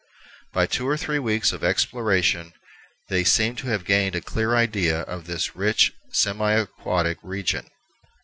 By two or three weeks of exploration they seem to have gained a clear idea of this rich semi aquatic region.